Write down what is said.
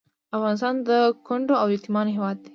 افغانستان د کونډو او یتیمانو هیواد دی